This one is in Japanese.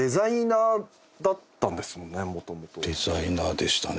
デザイナーでしたね